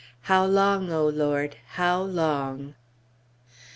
How long, O Lord! how long?